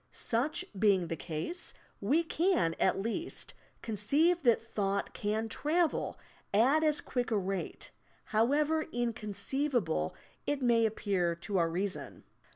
Such being the ease, we can at least conceive that thought can travel at as quick a rate, however inconceivable it may appear to our reason.